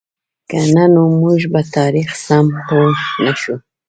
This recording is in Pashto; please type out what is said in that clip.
که نه نو موږ به په تاریخ سم پوهـ نهشو.